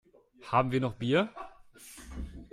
Haben wir noch Bier?